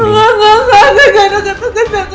enggak enggak enggak enggak enggak enggak